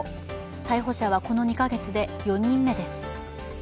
逮捕者はこの２か月で４人目です。